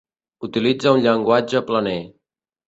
Utilitza un llenguatge planer.